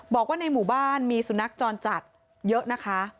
บอกว่าในหมู่บ้านมีสุนัขจรจัดเยอะนะคะ